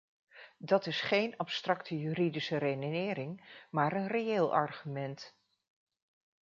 Dat is geen abstracte juridische redenering maar een reëel argument.